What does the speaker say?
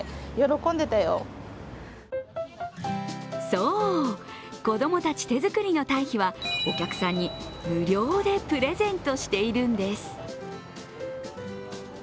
そう、子供たち手作りの堆肥はお客さんに無料でプレゼントしているんです。